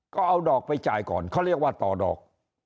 ก็เอาดอกไปจ่ายก่อนเขาเรียกว่าต่อดอก